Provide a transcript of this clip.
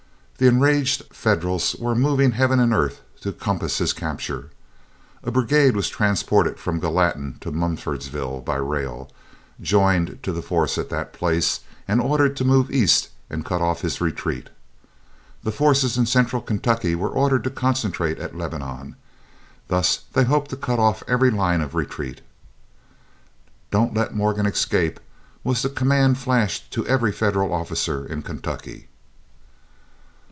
The enraged Federals were moving heaven and earth to compass his capture. A brigade was transported from Gallatin to Mumfordsville by rail, joined to the force at that place, and ordered to move east and cut off his retreat. The forces in Central Kentucky were ordered to concentrate at Lebanon. Thus they hoped to cut off every line of retreat. "Don't let Morgan escape," was the command flashed to every Federal officer in Kentucky.